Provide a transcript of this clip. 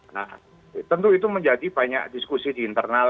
nah tentu itu menjadi banyak diskusi di internal